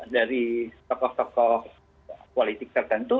dari tokoh tokoh politik tertentu